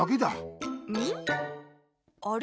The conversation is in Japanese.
あれ？